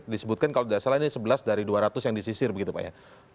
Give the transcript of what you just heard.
disebutkan kalau tidak salah ini sebelas dari dua ratus yang disisir begitu pak ya